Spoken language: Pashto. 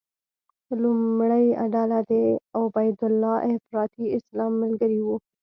لومړۍ ډله د عبیدالله افراطي اسلام ملګري وو.